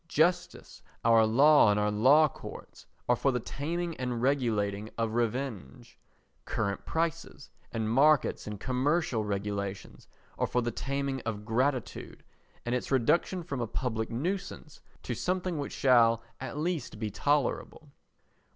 Justice, our law and our law courts are for the taming and regulating of revenge. Current prices and markets and commercial regulations are for the taming of gratitude and its reduction from a public nuisance to something which shall at least be tolerable.